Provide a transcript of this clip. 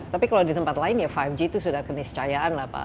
tapi kalau di tempat lain ya lima g itu sudah keniscayaan lah pak